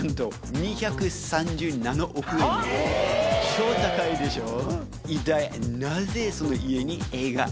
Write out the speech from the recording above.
超高いでしょう。